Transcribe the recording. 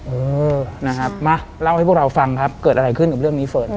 เออนะครับมาเล่าให้พวกเราฟังครับเกิดอะไรขึ้นกับเรื่องนี้เฟิร์น